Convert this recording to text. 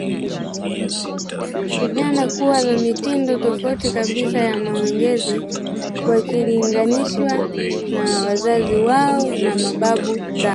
vijana kuwa na mitindo tofauti kabisa ya maongezi wakilinganishwa na wazazi wao na mababu zao